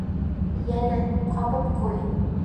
Йәле, ҡабып ҡуй!